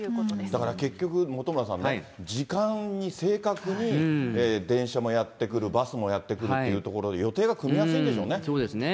だから結局、本村さんね、時間に正確に電車もやって来る、バスもやって来るというところで、予定が組みやすいんでしょうね。